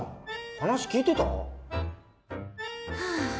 話聞いてた？